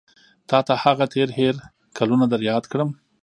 تا ته هغه تېر هېر کلونه در یاد کړم.